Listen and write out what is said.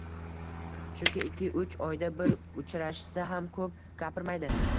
Chunki ikki-uch oyda bir uchrashishsa ham ko`p gapirmaydi